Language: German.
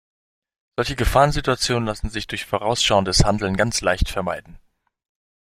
Solche Gefahrensituationen lassen sich durch vorausschauendes Handeln ganz leicht vermeiden.